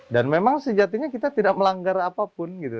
dan memang sejatinya kita tidak melanggar apapun gitu